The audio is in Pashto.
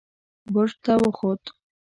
برج ته وخوت.